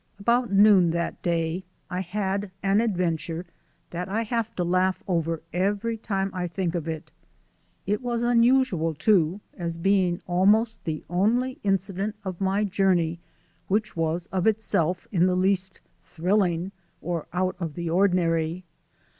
About noon that day I had an adventure that I have to laugh over every time I think of it. It was unusual, too, as being almost the only incident of my journey which was of itself in the least thrilling or out of the ordinary.